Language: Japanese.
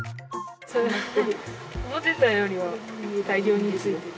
思ってたよりは大量に付いてる。